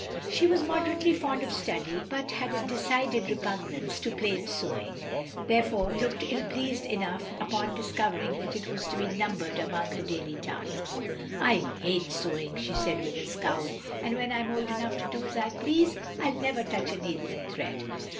She was moderately fond of study, but had a decided repugnance to plain sewing, therefore looked ill pleased enough upon discovering that it was to be numbered among her daily tasks. "I hate sewing!" she said with a scowl, "and when I'm old enough to do as I please, I'll never touch a needle and thread."